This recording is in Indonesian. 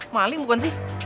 maling bukan sih